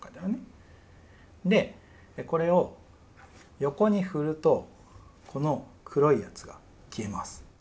でこれを横に振るとこの黒いやつが消えます。